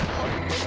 jangan won jangan